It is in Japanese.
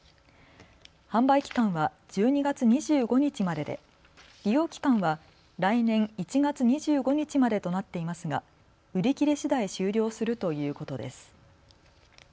販売期間は１２月２５日までで利用期間は来年１月２５日までとなっていますが売り切れしだい終了するということです。